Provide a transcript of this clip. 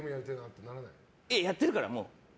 やってるから、もう。